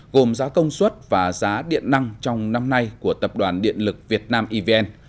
gồm giá công suất và giá điện năng trong năm nay của tập đoàn điện lực việt nam evn